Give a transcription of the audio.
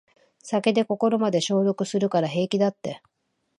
酒で心まで消毒するから平気だって